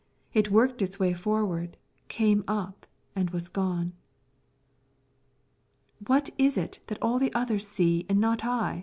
It worked its way forward, came up, and was gone. "What is it all the others see, and not I?"